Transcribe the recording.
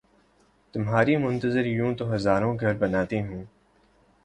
تمہاری منتظر یوں تو ہزاروں گھر بناتی ہوں